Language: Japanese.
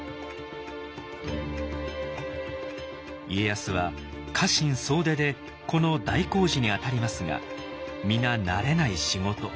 家康は家臣総出でこの大工事にあたりますが皆慣れない仕事。